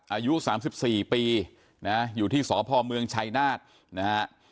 อายุ๓๔ปีนะอยู่ที่สพเมืองชัยนาฏนะฮะ